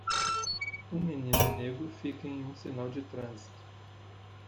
Um menino negro fica em um sinal de trânsito.